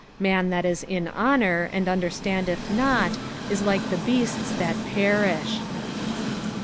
20 Man tkat is in honour, and understandeth not, is like the beasts //tat perish.